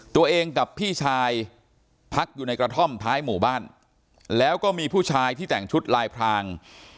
ตัวเองกับพี่ชายพักอยู่ในกระท่อมท้ายหมู่บ้านแล้วก็มีผู้ชายที่แต่งชุดลายพราง